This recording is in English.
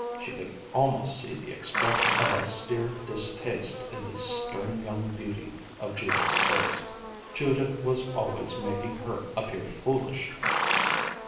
She could almost see the expression of austere distaste in the stern young beauty of Judith's face. Judith was always making her appear foolish!